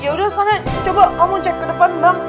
yaudah sana coba kamu cek kedepan bang